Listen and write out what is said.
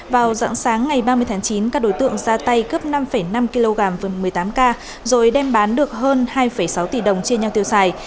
vào dặng sáng ngày ba mươi tháng chín các đối tượng ra tay cướp năm năm kg vườn một mươi tám k rồi đem bán được hơn hai sáu tỷ đồng chia nhau tiêu xài